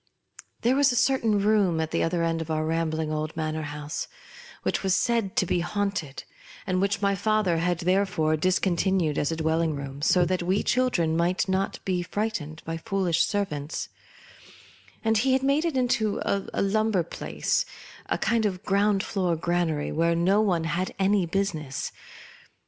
There was a certain room at the other end of our rambling old manor house, which was said to be haunted, and which my father had therefore discontinued as a dwelling room, so that we children might not be frightened by foolish servants ; and he had made it into a lumber place — a kind of ground floor granary — where no one had any business.